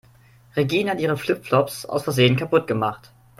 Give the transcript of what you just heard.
Regina hat ihre Flip-Flops aus Versehen kaputt gemacht.